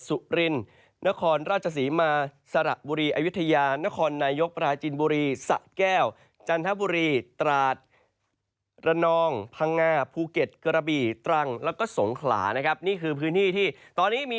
สุรินนครราชศรีมาร์สระบุรีอัยวิทยานครนายกประหารจีนบุรี